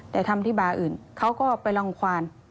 แต่ทำที่บาร์อื่นเขาก็ไปรังควาน